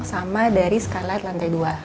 sama dari skala lantai dua